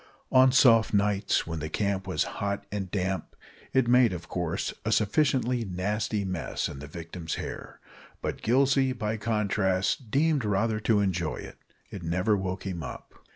On soft nights, when the camp was hot and damp, it made, of course, a sufficiently nasty mess in the victim's hair, but Gillsey, by contrast, deemed rather to enjoy it. It never woke him up.